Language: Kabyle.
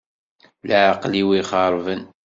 Leεqel-iw ixeṛben.